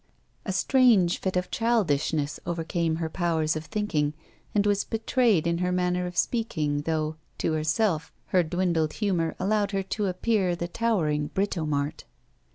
A strange fit of childishness overcame her powers of thinking, and was betrayed in her manner of speaking, though to herself her dwindled humour allowed her to appear the towering Britomart.